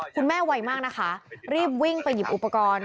ไวมากนะคะรีบวิ่งไปหยิบอุปกรณ์